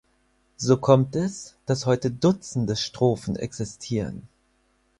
So kommt es, dass heute dutzende Strophen existieren.